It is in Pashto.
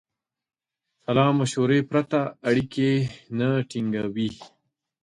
سلامشورې پرته اړیکې نه ټینګوي.